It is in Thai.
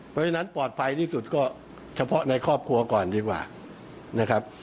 เพราะฉะนั้นปลอดภัยที่สุดก็เฉพาะในครอบครัวก่อนดีกว่านะครับ